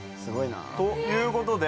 ということで。